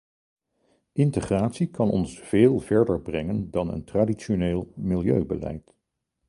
Integratie kan ons veel verder brengen dan een traditioneel milieubeleid.